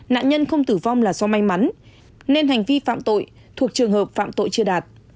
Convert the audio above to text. nạn nhân không tử vong là do may mắn nên hành vi phạm tội thuộc trường hợp phạm tội chưa đạt